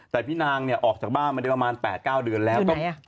แต่พี่นางเนี้ยออกจากบ้านมันได้ประมาณแปดเก้าเดือนแล้วอยู่ไหนอ่ะ